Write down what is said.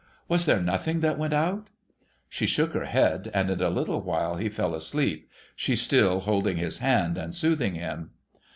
Was there nothing that went out ?' She shook her head, and in a little while he fell asleep, she still holding his hand, and soothing him.